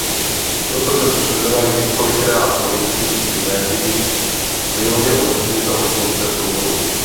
Proto byli členové několikrát policií či médii mylně označeni za odpůrce průvodu.